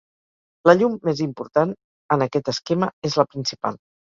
La llum més important en aquest esquema és la principal.